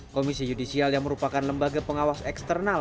komisi yudisial yang merupakan lembaga pengawas eksternal